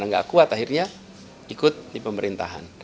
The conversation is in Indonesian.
karena gak kuat akhirnya ikut di pemerintahan